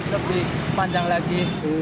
lebih panjang lagi